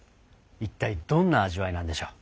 一体どんな味わいなんでしょう。